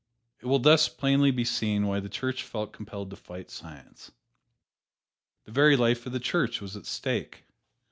It will thus plainly be seen why the Church felt compelled to fight Science the very life of the Church was at stake.